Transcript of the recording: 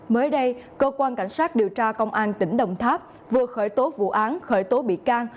mới đây cơ quan cảnh sát điều tra công an tp hcm vừa khởi tố vụ án khởi tố bị can